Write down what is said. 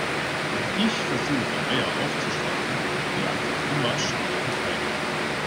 Wenn ich versuche Eier aufzuschlagen, landet immer Schale im Teig.